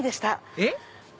えっ？